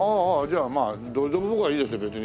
じゃあまあどれでも僕はいいですよ別に。